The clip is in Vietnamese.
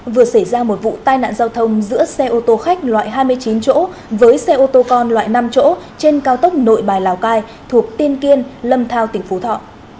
vừa xảy ra một vụ tai nạn giao thông giữa xe ô tô khách loại hai mươi chín chỗ với xe ô tô con loại năm chỗ trên cao tốc nội bài lào cai thuộc tiên kiên lâm thao tỉnh phú thọ